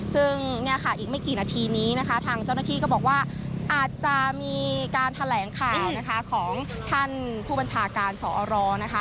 ซึ่งอีกไม่กี่นาทีนี้ทางเจ้าหน้าที่ก็บอกว่าอาจจะมีการแถลงข่าวของท่านผู้บัญชาการสรรรค์